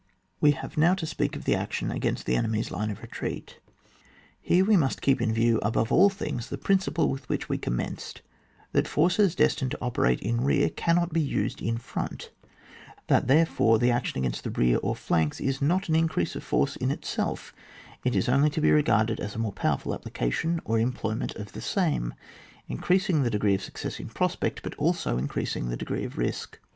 We have now to speak of the action against the enemy's line of retreat. Here we must keep in view, above all things, the principle with which we com menced, that forces destined to operate in rear cannot bo used in front ; that, therefore, the action against the rear or flanks is not an increase of force in itself; it is only to be regarded as a more powerful application (or employ ment) of the same ; increasing the degree of success ill prospect, but also increasing the degree of risk.